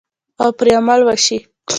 او پرې عمل وشي.